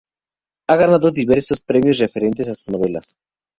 Ha ganado diversos premios referentes a sus novelas.